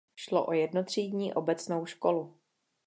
Šlo o jednotřídní obecnou školu.